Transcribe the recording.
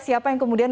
siapa yang kemudian